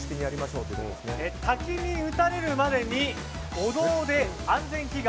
滝に打たれるまでにお堂で安全祈願。